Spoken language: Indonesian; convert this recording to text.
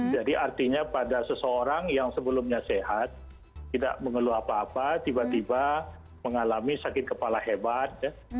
jadi artinya pada seseorang yang sebelumnya sehat tidak mengeluh apa apa tiba tiba mengalami sakit kepala hebat